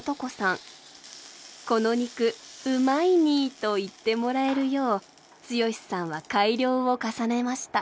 「この肉うまいにぃ」と言ってもらえるよう毅さんは改良を重ねました。